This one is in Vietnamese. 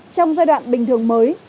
trong giai đoạn bình thường mới